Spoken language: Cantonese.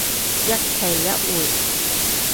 一期一會